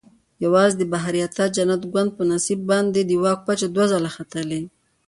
یوازې د بهاریته جنت ګوند په نصیب باندې د واک پچه دوه ځله ختلې.